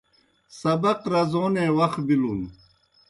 سبق رزونے وخ بِلُن۔